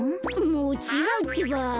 もうちがうってば。